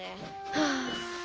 はあ。